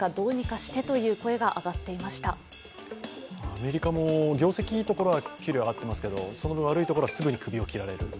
アメリカも業績いいところは給料上がってますけどその分、悪いところはすぐにクビを切られる。